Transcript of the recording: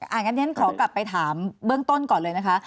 อย่างนั้นฉันขอกลับไปถามเบื้องต้นก่อนเลยนะคะ